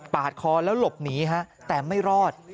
คอแล้วหลบหนีฮะแต่ไม่รอด